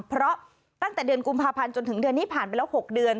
เพราะตั้งแต่เดือนกุมภาพันธ์จนถึงเดือนนี้ผ่านไปแล้ว๖เดือน